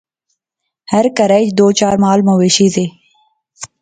ہر کہرا اچ دو چار مال مویشی زے